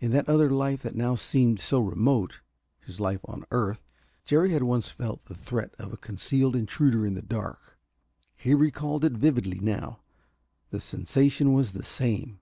In that other life that now seemed so remote his life on earth Jerry had once felt the threat of a concealed intruder in the dark. He recalled it vividly now. The sensation was the same.